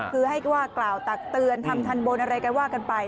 คือให้ว่ากล่าวตักเตือนทำทันบนอะไรก็ว่ากันไป